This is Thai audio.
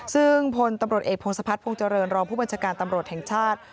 ซึ่งพลตำรวจเอกพงศพัฒนภงเจริญรองผู้บัญชาการตำรวจแห่งชาติ